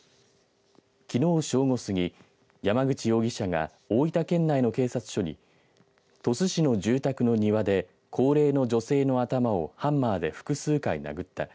きのう正午過ぎ、山口容疑者が大分県内の警察署に鳥栖市の住宅の庭で高齢の女性の頭をハンマーで複数回、殴った。